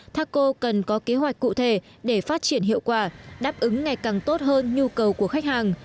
taco cần có kế hoạch cụ thể để phát triển hiệu quả đáp ứng ngày càng tốt hơn nhu cầu của khách hàng